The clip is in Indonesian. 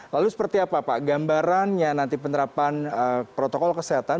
lalu seperti apa pak gambarannya nanti penerapan protokol kesehatan